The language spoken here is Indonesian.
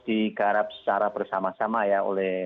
dikarab secara bersama sama ya